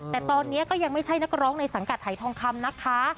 แต่ตอนนี้ก็ยังไม่ใช่นักร้องในสังกัดหายทองคำนะคะ